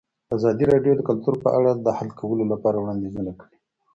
ازادي راډیو د کلتور په اړه د حل کولو لپاره وړاندیزونه کړي.